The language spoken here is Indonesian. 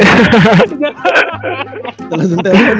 kita langsung tellin aja